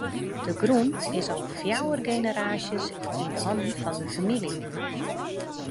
De grûn is al fjouwer generaasjes yn hannen fan de famylje.